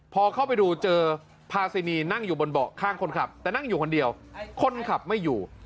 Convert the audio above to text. พอเข้าไปดูเจอพาซินีนั่งอยู่บนเบาะข้างคนขับแต่นั่งอยู่คนเดียวคนขับไม่อยู่